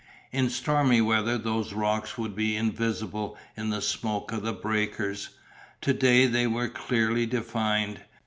In stormy weather those rocks would be invisible in the smoke of the breakers, to day they were clearly defined.